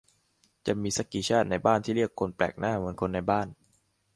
"จะมีซักกี่ชาติในบ้านที่เรียกคนแปลกหน้า เหมือนคนในบ้าน"